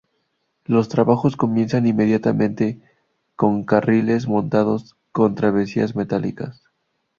Los trabajos comienzan inmediatamente, con carriles montados con traviesas metálicas.